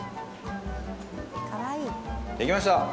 できました！